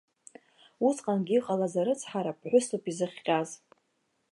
Усҟангьы иҟалаз арыцҳара ԥҳәысуп изыхҟьаз.